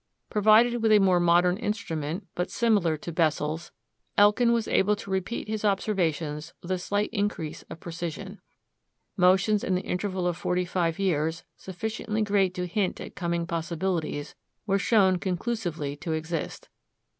Provided with a more modern instrument, but similar to Bessel's, Elkin was able to repeat his observations with a slight increase of precision. Motions in the interval of forty five years, sufficiently great to hint at coming possibilities, were shown conclusively to exist.